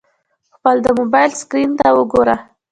خپل د موبایل سکرین ته وګوره !